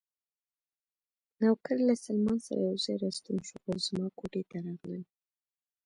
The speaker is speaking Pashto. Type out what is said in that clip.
نوکر له سلمان سره یو ځای راستون شو او زما کوټې ته راغلل.